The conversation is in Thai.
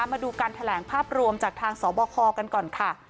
มาดูการแถลงภาพรวมจากทางสบคกันก่อนค่ะ